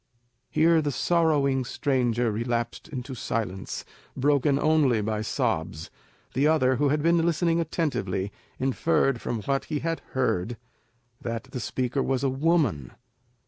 Here the sorrowing stranger relapsed into silence, broken only by sobs. The other, who had been listening attentively, inferred from what he had heard that the speaker was a woman.